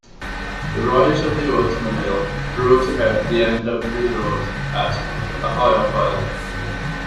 The rise of the automobile brought about the end of the resorts at Ohiopyle.